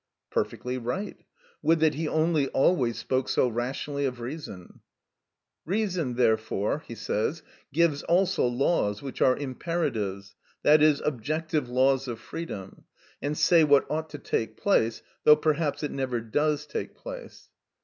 (Perfectly right; would that he only always spoke so rationally of reason!) "Reason therefore gives! also laws, which are imperatives, i.e., objective laws of freedom, and say what ought to take place, though perhaps it never does take place"!